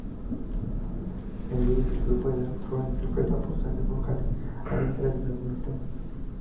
El líder del grupo Edgar Froese interpreta pasajes vocales ambientales en algunos temas.